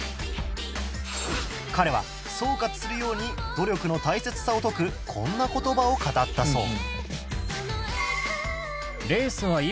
彼は総括するように努力の大切さを説くこんな言葉を語ったそう